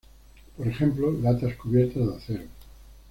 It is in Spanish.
Por ejemplo latas cubiertas de acero.